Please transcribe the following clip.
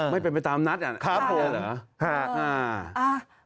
ไม่ไปตามนักอย่างนั้นครับผมเออครับ